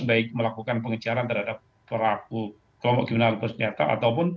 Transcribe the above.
baik melakukan pengejaran terhadap kelompok gimana yang tersenyata